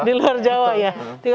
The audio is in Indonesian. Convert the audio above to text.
di luar jawa ya